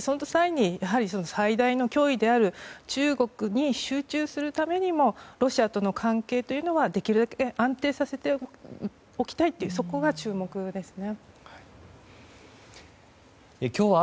その際に最大の脅威である中国に集中するためにもロシアとの関係というのはできるだけ安定させておきたいというそこが注目ですね。